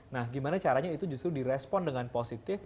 nah gimana caranya itu justru di respon dengan positif